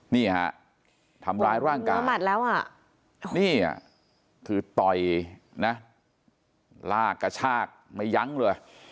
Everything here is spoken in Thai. นี่ฮะทำร้ายร่างกายนี่คือต่อยนะลากกระชากไม่ยั้งเลย